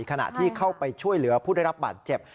ขณะที่เข้าไปช่วยเหลือผู้ได้รับบาดเจ็บ